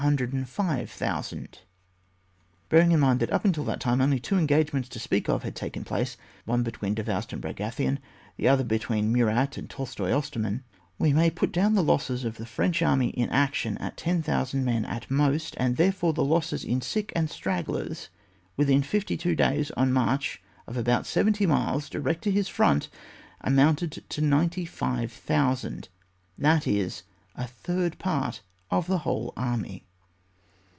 * Bearing in mind that up to that time only two eng^ements to speak of had taken place, one between Davoust and Bragathion, the other between Murat and Tolstoy Osterman, we may put down the losses of the French army in action at 10,000 men at most, and therefore the losses in sick and stragglers within fifty two days on a march of about seventy miles direct to his front, amounted to 95,000, that is a third part of the whole army.